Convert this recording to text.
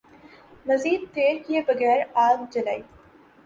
مزید دیر کئے بغیر آگ جلائی ۔